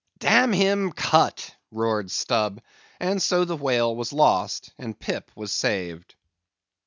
"Damn him, cut!" roared Stubb; and so the whale was lost and Pip was saved.